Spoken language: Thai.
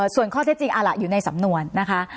ส่วนข้อแท้จริงอยู่ในสำนวนนะฮะ